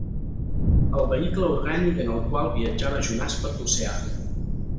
El vehicle orgànic en el qual viatjava Jonàs per l'oceà.